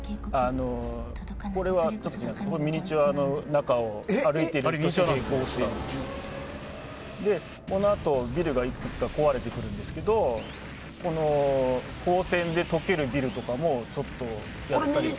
これはミニチュアの中を歩いているシーンですがこのあとビルがいくつか壊れるんですけど光線で溶けるビルとかもちょっとやったりとか。